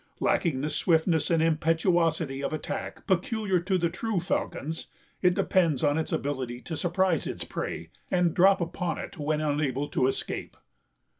Lacking the swiftness and impetuosity of attack peculiar to the true falcons, it depends on its ability to surprise its prey and drop upon it when unable to escape."